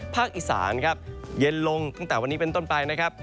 อีสานครับเย็นลงตั้งแต่วันนี้เป็นต้นไปนะครับ